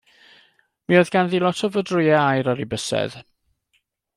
Mi oedd ganddi lot o fodrwya' aur ar 'i bysadd.